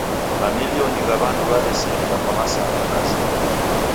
Mamilioni gha w'andu w'aw'eserie kwa masaa malazi.